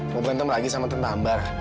mau berantem lagi sama tante ambar